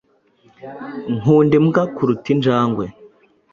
Nkunda imbwa kuruta injangwe.